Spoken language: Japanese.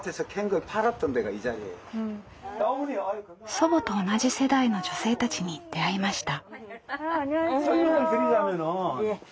祖母と同じ世代の女性たちに出会いました。